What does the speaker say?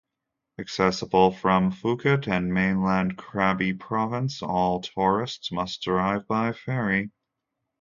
Accessible from Phuket and mainland Krabi Province, all tourists must arrive by ferry.